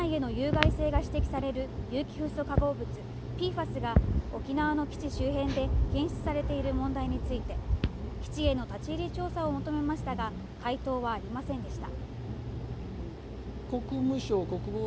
また、人体への有害性が指摘される有機フッ素化合物ＰＦＡＳが沖縄の基地周辺で検出されている問題について、基地への立ち入り調査を求めましたが回答はありませんでした